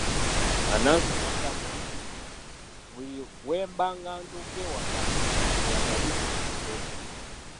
Anansi n'addamu nti, buli bwe mba ng'atuuka ewaka ng'eryanda lizikidde.